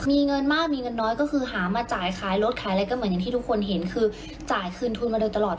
มีเงินมากมีเงินน้อยก็คือหามาจ่ายขายรถขายอะไรก็เหมือนอย่างที่ทุกคนเห็นคือจ่ายคืนทุนมาโดยตลอด